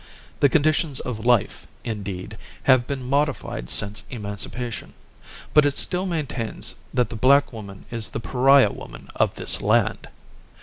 The conditions of life, indeed, have been modified since emancipation; but it still maintains that the black woman is the Pariah woman of this land!